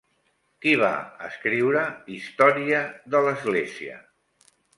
Qui va escriure Història de l'Església?